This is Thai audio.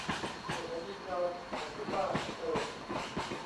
เมื่อฉันยินยอม เขาพูดว่า เออ